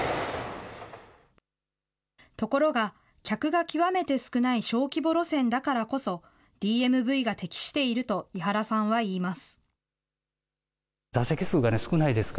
ところが、客が極めて少ない小規模路線だからこそ、ＤＭＶが適していると井原さんは言います。